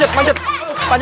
jangan jangan eh